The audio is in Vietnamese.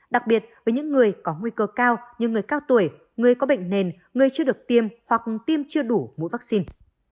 đặc biệt với những người có nguy cơ cao như người cao tuổi người có bệnh nền người chưa được tiêm hoặc tiêm chưa đủ mũi vaccine